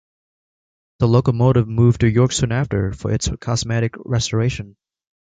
The locomotive moved to York soon after for its cosmetic restoration.